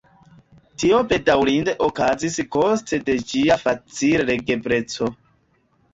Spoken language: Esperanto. Tio bedaŭrinde okazis koste de ĝia facil-legebleco.